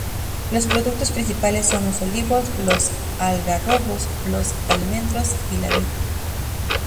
Los productos principales son los olivos, los algarrobos, los almendros y la vid.